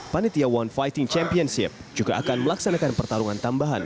panitia one fighting championship juga akan melaksanakan pertarungan tambahan